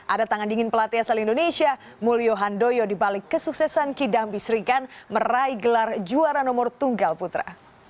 ada tangan dingin pelatih asal indonesia mulyo handoyo dibalik kesuksesan kidambi srigan meraih gelar juara nomor tunggal putra